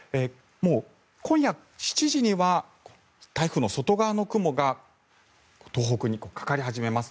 もう今夜７時には台風の外側の雲が東北にかかり始めます。